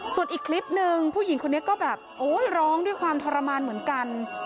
ส่วนอีกคลิปหนึ่งผู้หญิงคนนี้ก็แบบโอ้ยร้องด้วยความทรมานเหมือนกัน